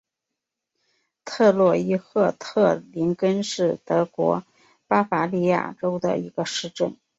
特罗伊赫特林根是德国巴伐利亚州的一个市镇。